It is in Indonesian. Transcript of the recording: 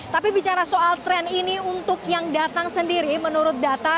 tapi bicara soal tren ini untuk yang datang sendiri menurut data